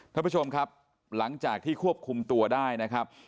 ท่านผู้ชมครับหลังจากที่ควบคุมตัวได้นะครับ